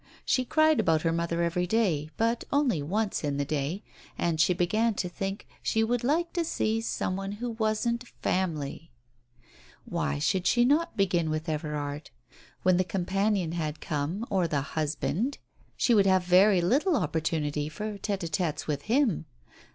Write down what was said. She cried about her mother every day, but only once in the day, and she began to think she should like to see some one who wasn't "family." Why Digitized by Google ^. 16 TALES OF THE UNEASY should she not begin with Everard? When the com panion had come, or the husband, she would have very little opportunity for tete & t$tes with him.